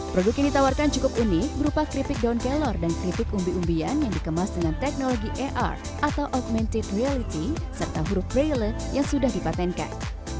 produk yang ditawarkan cukup unik berupa keripik daun kelor dan keripik umbi umbian yang dikemas dengan teknologi ar atau augmented reality serta huruf braille yang sudah dipatenkan